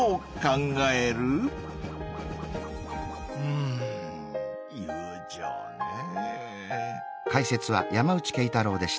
うん友情ねぇ。